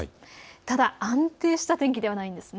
ただ、安定した天気ではないんです。